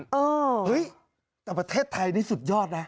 เฮ้ยแต่ประเทศไทยนี่สุดยอดนะ